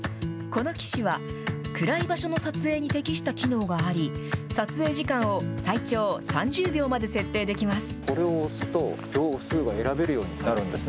この機種は、暗い場所の撮影に適した機能があり、撮影時間を最長３０秒まで設定できます。